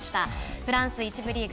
フランス一部リーグ